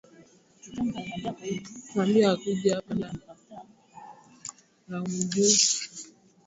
Alimsimulia bibi yake kama mpenzi wake wa dhati ambaye